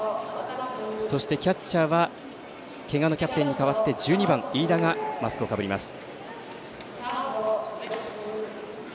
そして、キャッチャーはけがのキャプテンに代わって１２番、飯田がマスクをかぶります。